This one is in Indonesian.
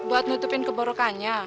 buat nutupin keborokannya